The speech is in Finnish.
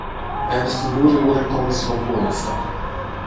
Äänestin juuri uuden komission puolesta.